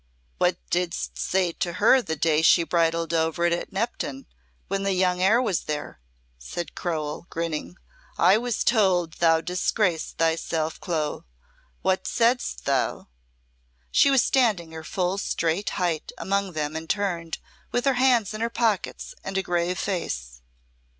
"What didst say to her the day she bridled over it at Knepton, when the young heir was there?" said Crowell, grinning. "I was told thou disgraced thyself, Clo. What saidst thou?" She was standing her full straight height among them and turned, with her hands in her pockets and a grave face.